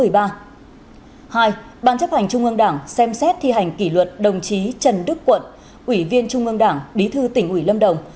hai ban chấp hành trung ương đảng xem xét thi hành kỷ luật đồng chí trần đức quận ủy viên trung ương đảng bí thư tỉnh ủy lâm đồng